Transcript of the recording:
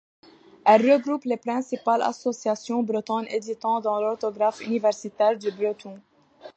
Elle regroupe les principales associations bretonnes éditant dans l'orthographe universitaire du breton.